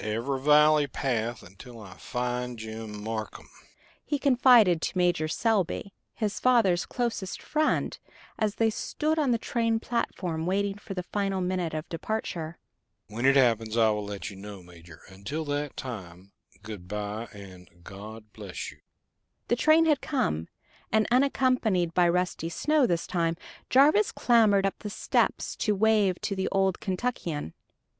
"I'll cover every mountain trail, every valley path until I find Jim Marcum," he confided to Major Selby, his father's closest friend, as they stood on the train platform waiting for the final minute of departure. "When it happens I will let you know, Major. Until that time, good by, and God bless you." The train had come, and unaccompanied by Rusty Snow this time, Jarvis clambered up the steps to wave to the old Kentuckian.